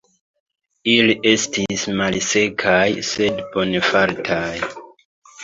Ili estis malsekaj, sed bonfartaj.